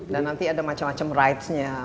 dan nanti ada macam macam rights nya